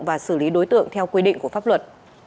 và xử lý đối tượng theo quy định của pháp luật